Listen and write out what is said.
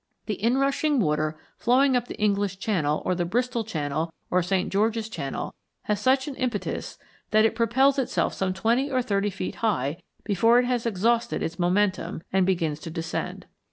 The inrushing water flowing up the English Channel or the Bristol Channel or St. George's Channel has such an impetus that it propels itself some twenty or thirty feet high before it has exhausted its momentum and begins to descend.